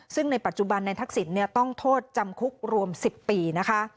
ซึ่งในปัจจุบันในทักษิณต้องโทษจำคุกรวม๑๐ปีนะคะ